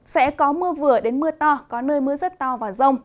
sẽ có mưa vừa đến mưa to có nơi mưa rất to và rông